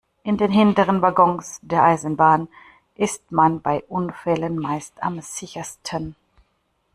In den hinteren Waggons der Eisenbahn ist man bei Unfällen meist am sichersten.